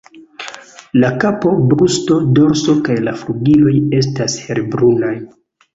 La kapo, brusto, dorso kaj la flugiloj estas helbrunaj.